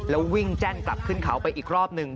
แล้ววิ่งแจ้งกลับขึ้นเขาไปอีกรอบหนึ่ง